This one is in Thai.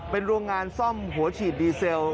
เป็นโรงงานซ่อมหัวฉีดดีเซล